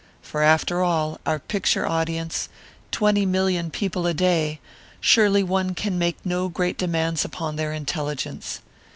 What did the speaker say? For after all, our picture audience, twenty million people a day surely one can make no great demands upon their intelligence.